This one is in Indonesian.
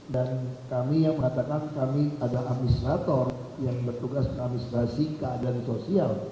dan kami yang mengatakan kami adalah administrator yang bertugas keamislasi keadaan sosial